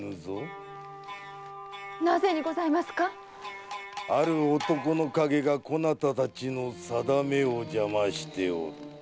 なぜにございますか⁉ある男の影がこなたたちの運命を邪魔しておる。